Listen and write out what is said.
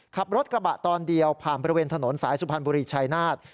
ขับรถกระบะตอนเดียวผ่านบริเวณถนนสายสุพรรณบุรีชายนาฏ